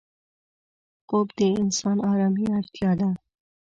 خوب د انسان آرامي اړتیا ده